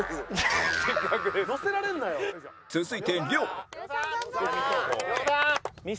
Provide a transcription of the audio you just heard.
続いて亮